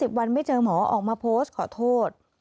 วันไม่เจอหมอออกมาโพสต์ขอโทษ